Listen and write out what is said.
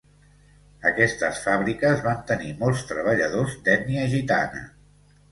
Aquestes fàbriques van tenir molts treballadors d'ètnia gitana.